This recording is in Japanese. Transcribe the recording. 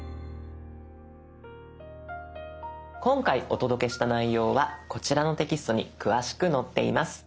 今回お届けした内容はこちらのテキストに詳しく載っています。